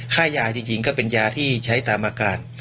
ค่ายาจริงก็เป็นยาที่ใช้ตามอาการ